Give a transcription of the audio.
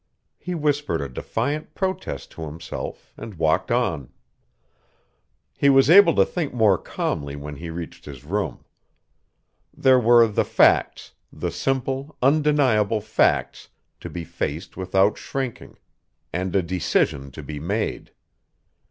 He whispered a defiant protest to himself and walked on. He was able to think more calmly when he reached his room. There were the facts, the simple, undeniable facts, to be faced without shrinking, and a decision to be made.